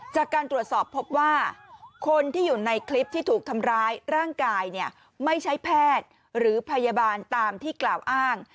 จากการตรวจสอบพบว่าคนที่อยู่ในคลิปที่ถูกทำร้ายร่างกายเนี่ยไม่ใช่แพทย์หรือพยาบาลตามที่กล่าวอ้าง